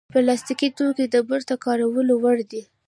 پلاستيکي توکي د بېرته کارولو وړ دي.